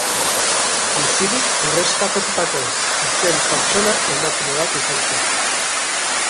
Bizirik erreskatatutako azken pertsona emakume bat izan zen.